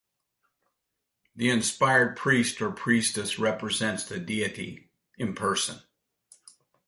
The inspired priest or priestess represents the deity in person.